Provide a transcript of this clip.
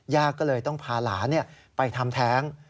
ญาติก็เลยต้องพาหลานไปทำแท้ง